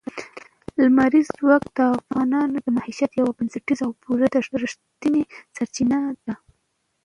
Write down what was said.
لمریز ځواک د افغانانو د معیشت یوه بنسټیزه او پوره رښتینې سرچینه ده.